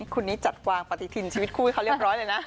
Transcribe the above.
คนนี้จัดวางปฏิทินชีวิตคู่ให้เขาเรียบร้อยเลยนะ